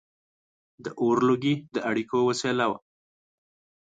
• د اور لوګي د اړیکو وسیله وه.